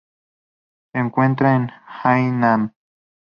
Se encuentra en Hainan.